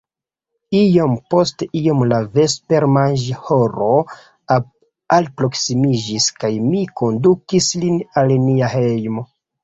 Iom post iom la vespermanĝhoro alproksimiĝis kaj mi kondukis lin al nia hejmo.